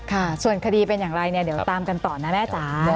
ค่ะส่วนคดีเป็นอย่างไรตามกันต่อนะแม่จ๋า